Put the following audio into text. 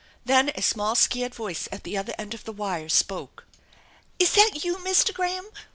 Then a small scared voice at the other end of the wire spoke: "Is that you, Mr. Graham?